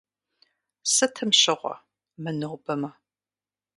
Сытым щыгъуэ, мынобэмэ?